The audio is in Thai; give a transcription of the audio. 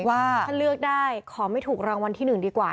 ว่าถ้าเลือกได้ขอไม่ถูกรางวัลที่๑ดีกว่า